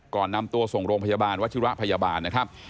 ก่อนนำตัวส่งโรงพยาบาลวัชิระพยาบาลนะครับ